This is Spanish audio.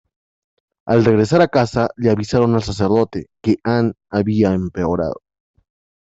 Al regresar a casa, le avisaron al sacerdote que Ann había empeorado.